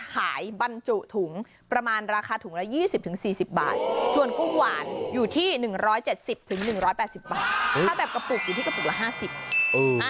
ถ้าแบบกระปุกอยู่ที่กระปุกละ๕๐บาท